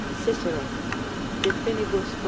[Cicero, De Finibus, ii.